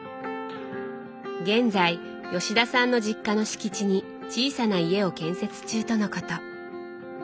現在吉田さんの実家の敷地に小さな家を建設中とのこと。